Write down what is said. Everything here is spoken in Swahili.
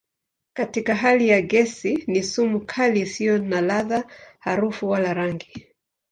Katika hali ya gesi ni sumu kali isiyo na ladha, harufu wala rangi.